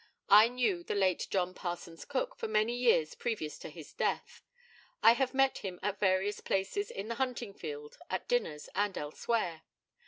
I knew the late John Parsons Cook for many years previous to his death. I have met him at various places, in the hunting field, at dinners, and elsewhere.